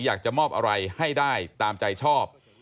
อยากจะมอบอะไรให้ได้ตามใจชอบ